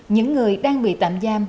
những người đang bị tạm giam